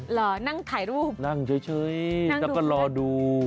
เหรอนั่งถ่ายรูปนั่งเฉยแล้วก็รอดู